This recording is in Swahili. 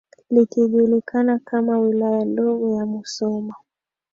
likijulikana kama Wilaya Ndogo ya Musoma